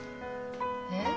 えっ？